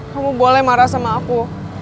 kamu boleh marah sama aku